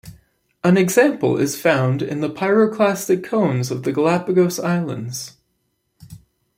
An example is found in the pyroclastic cones of the Galapagos Islands.